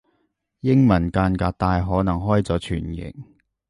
英文間隔大可能開咗全形